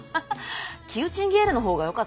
キウチンゲールのほうがよかった？